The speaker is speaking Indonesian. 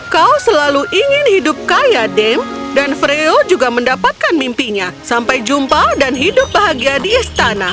kau selalu ingin hidup kaya dame dan freo juga mendapatkan mimpinya sampai jumpa dan hidup bahagia di istana